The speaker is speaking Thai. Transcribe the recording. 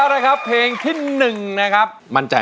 ร้องได้ให้ร้องได้